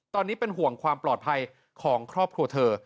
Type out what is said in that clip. ตอนนี้เป็นห่วงความปลอดภัยของครอบครัวเธอ